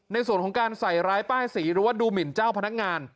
ในส่วนของการใส่ร้ายป้ายสีหรือว่าดูหมินเจ้าพนักงาน